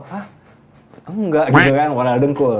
hah enggak gitu kan warna warna dengkul